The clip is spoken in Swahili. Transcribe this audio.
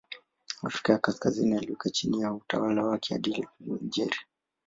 Afrika ya Kaskazini aliweka chini ya utawala wake hadi Algeria.